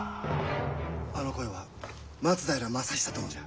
あの声は松平昌久殿じゃ。